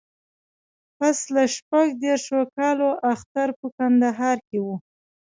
پسله شپږ دیرشو کالو اختر په کندهار کې و.